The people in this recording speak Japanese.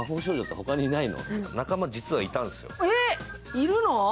いるの？